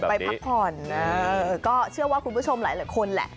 ไปพักผ่อนก็เชื่อว่าคุณผู้ชมหลายคนแหละ